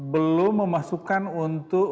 belum memasukkan untuk